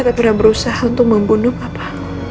tak pernah berusaha untuk membunuh papa